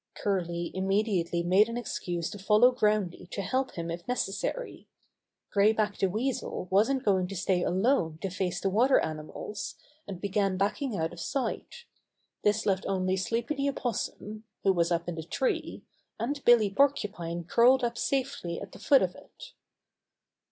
Curly immediately made an excuse to fol low Groundy to help him if necessary. Gray Back the Weasel wasn't going to stay alone to face the water animals, and began backing out of sight. This left only Sleepy the Opossum, who was up the tree, and Billy Porcupine curled up safely at the foot of it.